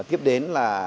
tiếp đến là